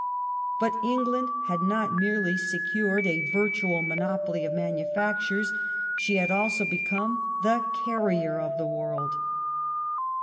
But England had not merely secured a virtual monopoly of manufactures ; she had also become the earner of the world.